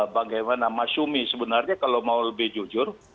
bagaimana masyumi sebenarnya kalau mau lebih jujur